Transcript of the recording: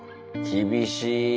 厳しい。